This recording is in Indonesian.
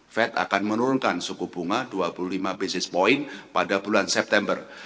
fed akan menurunkan suku bunga dua puluh lima basis point pada bulan september